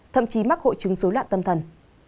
thậm chí mắc hội chứng dối loạn tâm thần